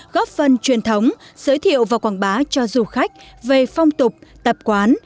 góp phần truyền thống giới thiệu và quảng bá cho du khách về phong tục tập quán